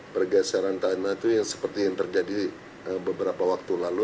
pergeseran tanah itu yang seperti yang terjadi beberapa waktu lalu